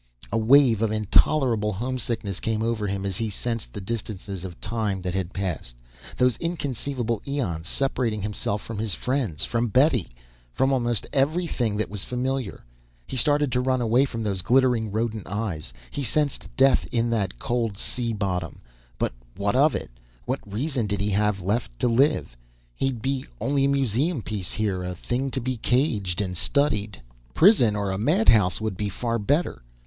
A wave of intolerable homesickness came over him as he sensed the distances of time that had passed those inconceivable eons, separating himself from his friends, from Betty, from almost everything that was familiar. He started to run, away from those glittering rodent eyes. He sensed death in that cold sea bottom, but what of it? What reason did he have left to live? He'd be only a museum piece here, a thing to be caged and studied.... Prison or a madhouse would be far better.